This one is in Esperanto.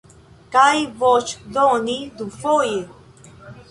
Kaj voĉdoni dufoje?